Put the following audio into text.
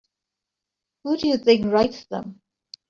Who do you think writes them?